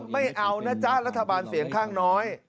ไม่เอานะจ๊ะรัฐบาลเสียงข้างน้อย